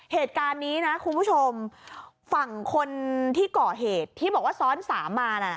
เหตุการณ์นี้นะคุณผู้ชมฝั่งคนที่ก่อเหตุที่บอกว่าซ้อนสามมานะ